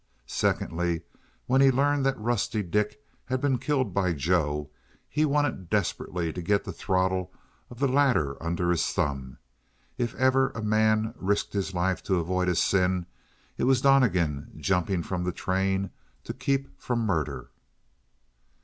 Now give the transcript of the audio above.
Secondly, when he learned that Rusty Dick had been killed by Joe, he wanted desperately to get the throttle of the latter under his thumb. If ever a man risked his life to avoid a sin, it was Donnegan jumping from the train to keep from murder.